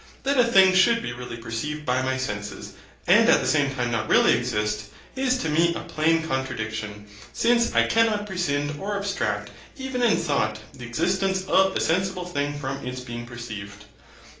That a thing should be really perceived by my senses, and at the same time not really exist, is to me a plain contradiction; since I cannot prescind or abstract, even in thought, the existence of a sensible thing from its being perceived.